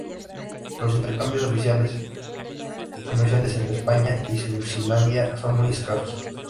Los intercambios oficiales y comerciales entre España y Suazilandia son muy escasos.